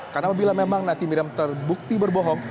karena bila memang nanti miriam terbukti berbohong